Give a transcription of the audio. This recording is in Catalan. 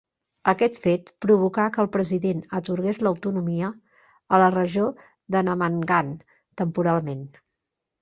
Aquest fet provocà que el president atorgués l'autonomia a la regió de Namangan temporalment.